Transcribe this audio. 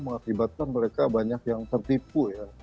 mengakibatkan mereka banyak yang tertipu ya